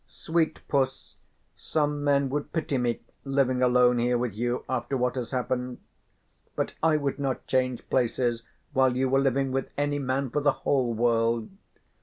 "Sweet Puss, some men would pity me living alone here with you after what has happened, but I would not change places while you were living with any man for the whole world.